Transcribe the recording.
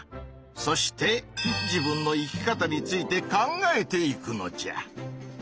そして自分の生き方について考えていくのじゃ。